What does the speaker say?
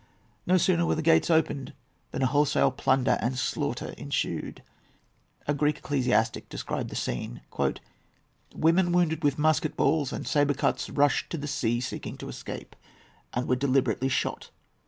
No sooner were the gates opened than a wholesale plunder and slaughter ensued. A Greek ecclesiastic has described the scene. "Women wounded with musket balls and sabre cuts rushed to the sea, seeking to escape, and were deliberately shot.